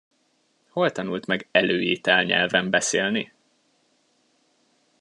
Hol tanult meg előételnyelven beszélni?